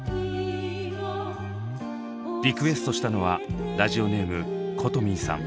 リクエストしたのはラジオネームことみんさん。